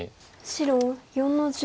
白４の十。